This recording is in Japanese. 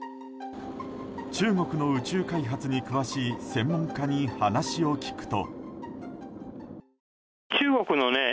中国の宇宙開発に詳しい専門家に話を聞くと。